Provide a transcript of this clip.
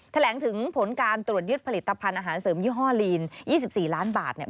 แถลงถึงผลการตรวจยึดผลิตภัณฑ์อาหารเสริมยี่ห้อลีน๒๔ล้านบาทเนี่ย